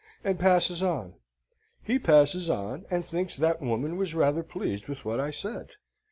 and passes on. He passes on, and thinks that woman was rather pleased with what I said.